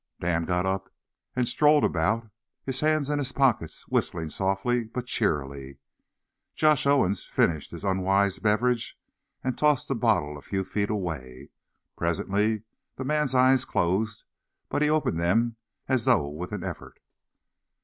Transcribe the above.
Dan got up and strolled about, his hands in his pockets, whistling softly but cheerily. Josh Owen finished his unwise beverage, and tossed the bottle a few feet away. Presently the man's eyes closed, but he opened them as though with an effort.